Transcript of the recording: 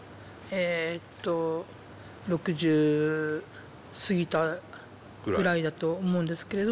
えっと６０過ぎたぐらいだと思うんですけれど。